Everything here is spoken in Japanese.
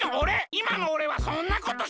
いまのおれはそんなことしない！